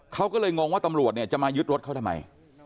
เขาก็เลยงงว่าตำรวจเนี่ยจะมายึดรถเขาทำไม